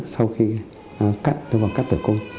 sau khi cắt tử cung